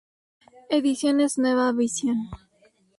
Ediciones Nueva Visión.